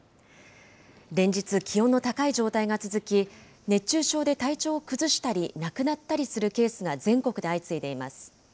連日、気温の高い状態が続き、熱中症で体調を崩したり、亡くなったりするケースが全国で相次いでいます。